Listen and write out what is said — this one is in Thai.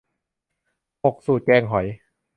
หก สูตรแกงหอย